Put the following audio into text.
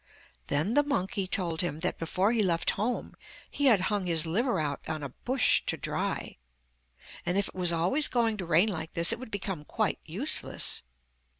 Then the monkey told him that before he left home he had hung his liver out on a bush to dry, and if it was always going to rain like this it would become quite useless.